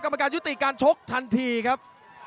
กรรมการยุติการชกทันทีครับ